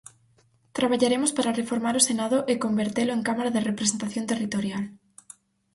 Traballaremos para reformar o Senado e convertelo en Cámara de representación territorial.